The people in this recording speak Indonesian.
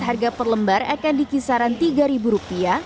harga per lembar akan di kisaran tiga ribu rupiah